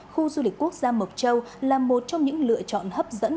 khu du lịch quốc gia mộc châu là một trong những lựa chọn hấp dẫn